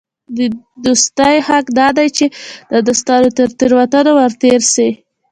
د دوستي حق دا دئ، چي د دوستانو تر تېروتنو ور تېر سې.